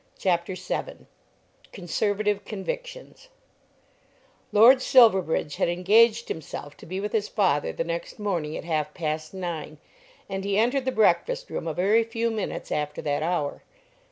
CHAPTER VII Conservative Convictions Lord Silverbridge had engaged himself to be with his father the next morning at half past nine, and he entered the breakfast room a very few minutes after that hour.